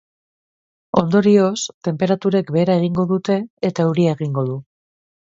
Ondorioz, tenperaturek behera egingo dute, eta euria egingo du.